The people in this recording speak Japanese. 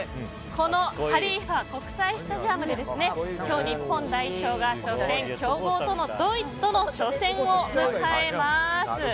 このハリーファ国際スタジアムで今日、日本代表が強豪のドイツとの初戦を迎えます。